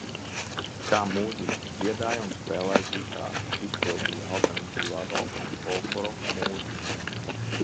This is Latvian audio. Kā mūziķis dziedāja un spēlēja ģitāru, izpildīja alternatīvā roka un folkroka mūziku.